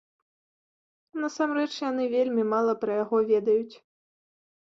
Насамрэч яны вельмі мала пра яго ведаюць.